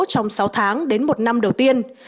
trong sáu tháng đến một năm đầu tiên